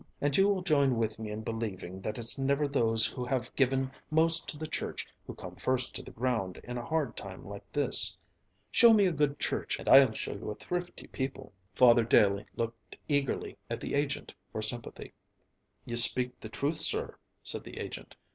And you will join with me in believing that it's never those who have given most to the church who come first to the ground in a hard time like this. Show me a good church and I'll show you a thrifty people." Father Daley looked eagerly at the agent for sympathy. "You speak the truth, sir," said the agent.